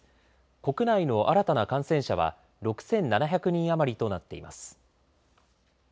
国内の新たな感染者は６７００人余りとなっています。